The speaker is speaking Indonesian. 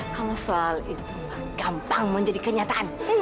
kalau soal itu gampang menjadi kenyataan